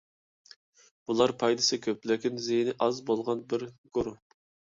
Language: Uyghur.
بۇلار پايدىسى كۆپ، لېكىن زىيىنى ئاز بولغان بىر گۇرۇھ.